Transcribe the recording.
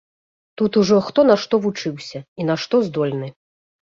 Тут ужо хто на што вучыўся і на што здольны.